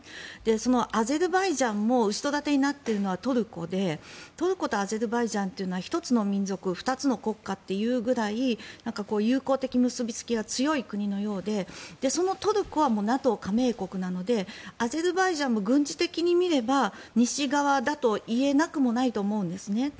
そのアゼルバイジャンも後ろ盾になっているのはトルコでトルコとアゼルバイジャンというのは１つの民族、２つの国家というくらい友好的結びつきが強い国のようでそのトルコはもうＮＡＴＯ加盟国なのでアゼルバイジャンも軍事的に見れば西側だと言えなくもないと思うんですね。